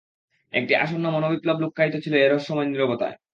একটি আসন্ন মনোবিপ্লব লুক্কায়িত ছিল এ রহস্যময় নীরবতায়।